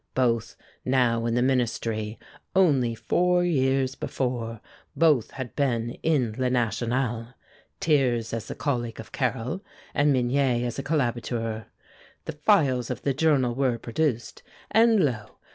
Both, now in the Ministry, only four years before both had been in 'Le National' Thiers as the colleague of Carrel, and Mignet as a collaborateur. The files of the journal were produced, and, lo!